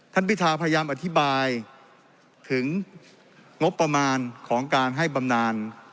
พิธาพยายามอธิบายถึงงบประมาณของการให้บำนาน